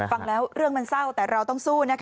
ฟังแล้วเรื่องมันเศร้าแต่เราต้องสู้นะคะ